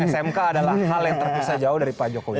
smk adalah hal yang terpisah jauh dari pak jokowi